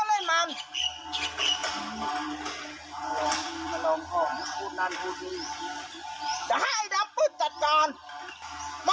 ก็งานพี่เกิ้ลนีกลับมาหาใจท่าจอดลกแล้วไหมฮะ